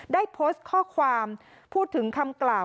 ได้โพสต์ข้อความพูดถึงคำกล่าว